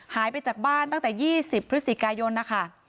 หายไปจากบ้านตั้งแต่๒๐พฤศจิกายนนะคะ